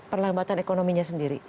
jadi perlambatan ekonominya sendiri